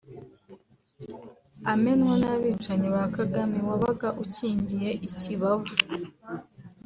amenwa n’abicanyi ba Kagame wabaga ukingiye ikibaba